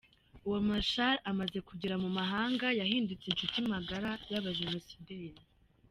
Uwo Marchal amaze kugera mu mahanga yahindutse inshuti magara y’abajenosideri.